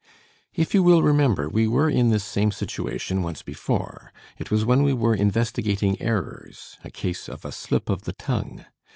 If you will remember, we were in this same situation once before. It was when we were investigating errors, a case of a slip of the tongue.